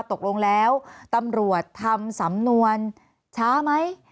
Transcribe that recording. ตกลงแล้วตำรวจทำสำนวนช้าไหม